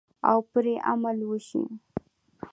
او پرې عمل وشي.